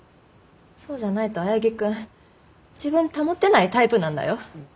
そうじゃないと青柳君自分保てないタイプなんだよ。